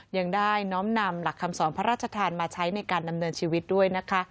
ยังได้น้อมนำหลักคำสอนพระราชทานมาใช้ในการดำเนินชีวิตด้วยนะคะ